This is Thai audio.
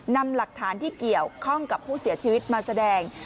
นำหลักฐานที่เกี่ยวข้องกับผู้เสียชีวิตมาแสดง